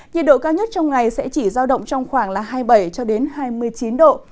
nhiệt độ cao nhất trong ngày sẽ chỉ giao động trong khoảng hai mươi bảy hai mươi chín độ